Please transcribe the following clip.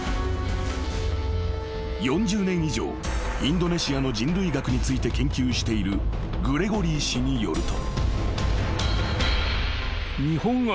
［４０年以上インドネシアの人類学について研究しているグレゴリー氏によると］